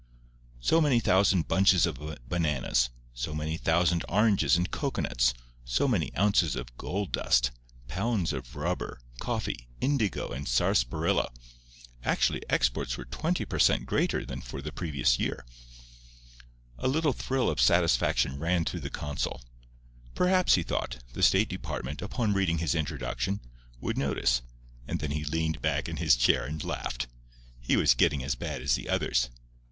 So many thousand bunches of bananas, so many thousand oranges and cocoanuts, so many ounces of gold dust, pounds of rubber, coffee, indigo and sarsaparilla—actually, exports were twenty per cent. greater than for the previous year! A little thrill of satisfaction ran through the consul. Perhaps, he thought, the State Department, upon reading his introduction, would notice—and then he leaned back in his chair and laughed. He was getting as bad as the others.